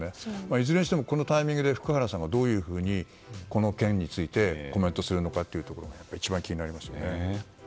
いずれにしてもこのタイミングで福原さんが、どうこの件についてコメントするのかが一番気になりますね。